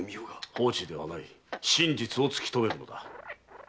放置ではない真実を突き止めるのだ。